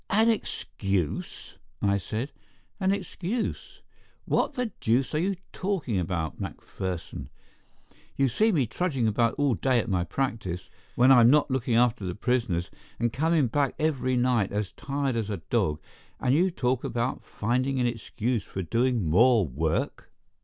"An excuse?" I said. "An excuse? What the deuce are you talking about, McPherson? You see me trudging about all day at my practise, when I'm not looking after the prisoners, and coming back every night as tired as a dog, and you talk about finding an excuse for doing more work."